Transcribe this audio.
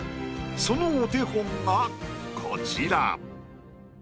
そのお手本がこちら。